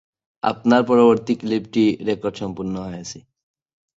পরের মৌসুমে পাকিস্তানের বিপক্ষে আরও দুই টেস্টে অংশ নেন।